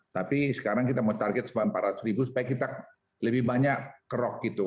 tapi sekarang kita mau target empat ratus ribu supaya kita lebih banyak kerok gitu